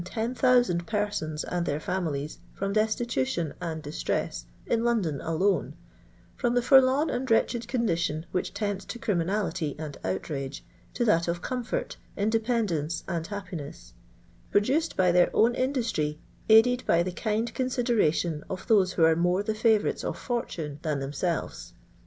tsh shouhakd PABSOHS aMi tiuir favtilits from cUstUution and distreu (in London alone) ;— from the forlorn and wretched condition which tempts to crimi nality and outrage, to that of comfort, independ ence, and happine«9 — produced by their own in dustry, aided by the kind consideration of those who are more the fiivourites of fortune than themselves.